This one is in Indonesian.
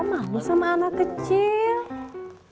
malu sama anak kecil